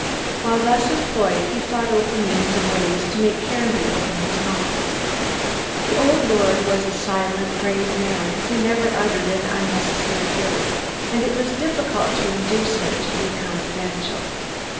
While thus employed, he thought over means and ways to make Caranby open his mouth. The old lord was a silent, grave man, who never uttered an unnecessary word, and it was difficult to induce him to be confidential.